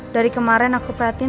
dari kemarin aku perhatiin